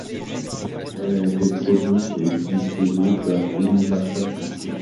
Elle a été produite et distribuée par Universal Pictures.